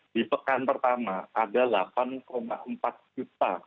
di pekan pertama ada delapan empat juta